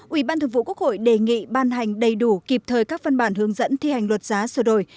ủy ban thường vụ quốc hội đề nghị ban hành đầy đủ kịp thời các văn bản hướng dẫn thi hành luật giá sửa đổi